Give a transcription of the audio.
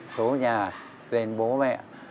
số nhà tên bố mẹ